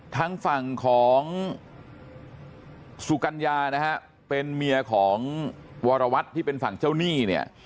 ทางฝั่งของสุกัญญานะฮะเป็นเมียของวรวัตรที่เป็นฝั่งเจ้าหนี้เนี่ย